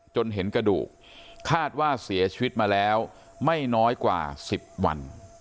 จนเห็นกระดูกคาดว่าเสียชีวิตมาแล้วไม่น้อยกว่า๑๐วัน